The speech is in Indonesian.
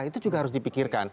itu juga harus dipikirkan